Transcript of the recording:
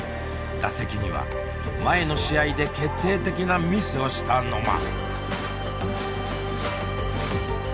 打席には前の試合で決定的なミスをした野間。